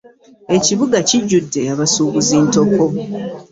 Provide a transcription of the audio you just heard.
Ekibuga kijjudde abasuubuzi ntoko.